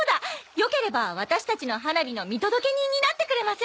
よければワタシたちの花火の見届け人になってくれませんか？